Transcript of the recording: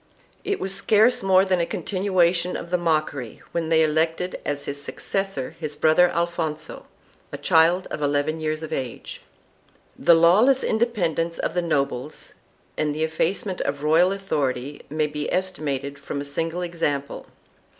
It was scarce more than a continuation of the mockery when they elected as his successor his brother Alfonso, a child eleven years of age.2 The lawless independence of the nobles and the effacement of the royal authority may be estimated from a single example.